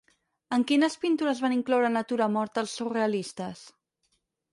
En quines pintures van incloure natura morta els surrealistes?